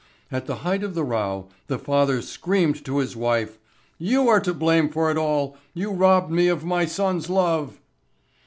At the height of the row the father screamed to his wife: "You are to blame for it all! You robbed me of my son's love!"